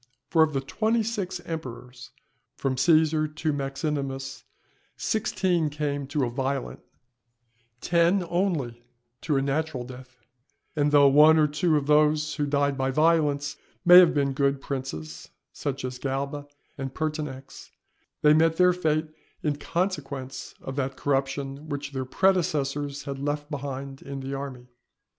For of the twenty six emperors from Cæsar to Maximinus, sixteen came to a violent, ten only to a natural death; and though one or two of those who died by violence may have been good princes, as Galba or Pertinax, they met their fate in consequence of that corruption which their predecessors had left behind in the army.